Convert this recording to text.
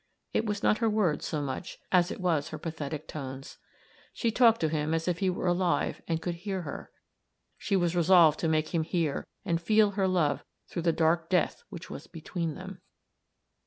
It was not her words so much as it was her pathetic tones. She talked to him as if he were alive and could hear her. She was resolved to make him hear and feel her love through the dark death which was between them.